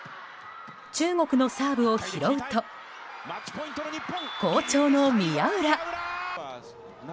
中国のサーブを拾うと好調の宮浦！